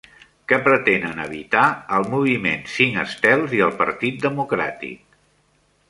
Què pretenen evitar el Moviment Cinc Estels i el Partit Democràtic?